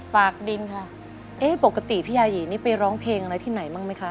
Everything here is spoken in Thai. ปากดินค่ะเอ๊ะปกติพี่ยายีนี่ไปร้องเพลงอะไรที่ไหนบ้างไหมคะ